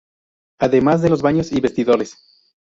Además de los baños y vestidores.